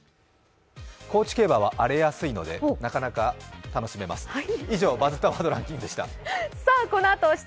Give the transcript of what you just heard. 高知競馬は荒れやすいのでなかなか楽しめます。